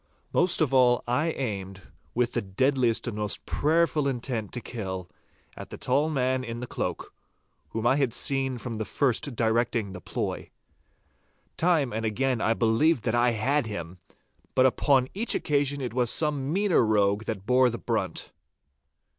Most of all I aimed, with the deadliest and most prayerful intent to kill, at the tall man in the cloak, whom I had seen from the first directing the ploy. Time and again I believed that I had him, but upon each occasion it was some meaner rogue that bore the brunt.